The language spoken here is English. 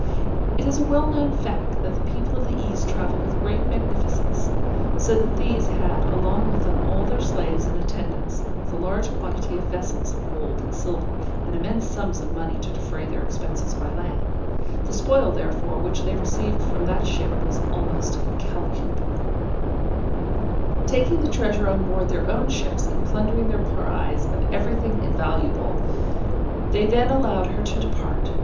It is a well known fact, that the people of the east travel with great magnificence, so that these had along with them all their slaves and attendants, with a large quantity of vessels of gold and silver, and immense sums of money to defray their expenses by land; the spoil therefore which they received from that ship was almost incalculable. [Illustration: Captain Avery engaging the Great Mogul's Ship.] Taking the treasure on board their own ships, and plundering their prize of every thing valuable, they then allowed her to depart.